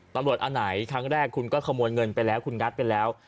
อันไหนครั้งแรกคุณก็ขโมยเงินไปแล้วคุณงัดไปแล้ว